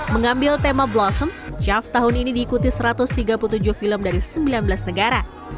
mengambil tema blossom jav tahun ini diikuti satu ratus tiga puluh tujuh film dari sembilan belas negara